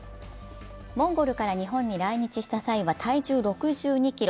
モンゴルから日本に来日した際は体重６２ｋｇ。